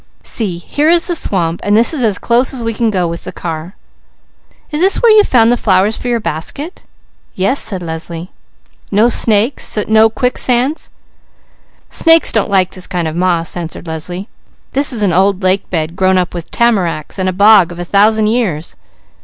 See, here is the swamp and this is as close as we can go with the car." "Is this where you found the flowers for your basket?" "Yes," said Leslie. "No snakes, no quicksands?" "Snakes don't like this kind of moss," answered Leslie; "this is an old lake bed grown up with tamaracks and the bog of a thousand years."